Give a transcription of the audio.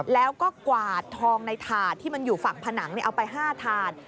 แล้วก็กวาดทองในถาดที่มันอยู่ฝั่งผนังเอาไป๕ถาด